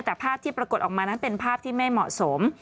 แต่ภาพที่ปรากฏออกมานั้นเป็นภาพที่ไม่เหมาะสม